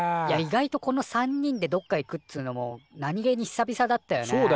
いや意外とこの３人でどっか行くっつのも何気に久々だったよね。